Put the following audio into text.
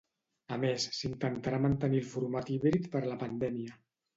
A més, s'intentarà mantenir el format híbrid per la pandèmia.